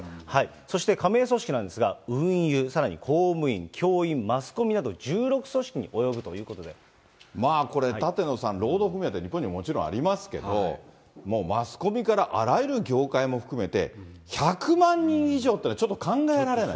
そして加盟組織なんですが、運輸、さらに公務員、教員、マスコミなこれ、舘野さん、労働組合って日本にもちろんありますけれども、もうマスコミからあらゆる業界も含めて、１００万人以上ってちょっと考えられない。